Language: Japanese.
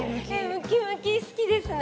ムキムキ好きですね。